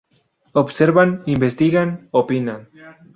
Observan, investigan, opinan.